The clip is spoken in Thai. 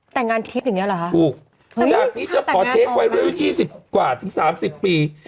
แต่งงานทรีปเหรอคะโอ้ยแต่ะนี่จะขอเทปไว้ด้วย๒๐กว่าถึง๓๐ปี